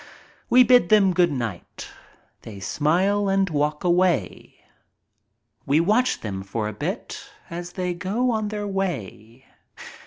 We bid them "good night." They smile and walk away. We watch them for a bit as they go on their way.